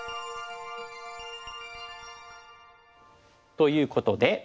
ということで。